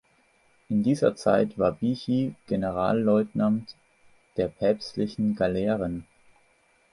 In dieser Zeit war Bichi Generalleutnant der päpstlichen Galeeren.